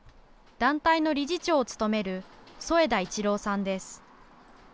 団体の理事長を務める、副田一朗さんです。